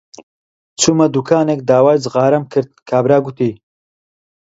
چوومە دووکانێک داوای جغارەم کرد، کابرا گوتی: